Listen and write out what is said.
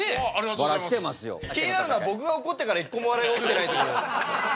気になるのは僕がおこってから一個も笑いが起きてないという。